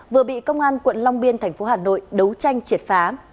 vừa bị công an quận long biên tp hcm đấu tranh triệt phá